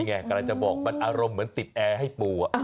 กำลังจะบอกมันอารมณ์เหมือนติดแอร์ให้ปู